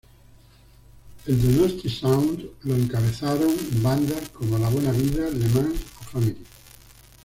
El Donosti Sound lo encabezaron bandas como La Buena Vida, Le Mans o Family.